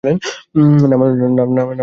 না মা, ঠিক কথা তো এখন বলব।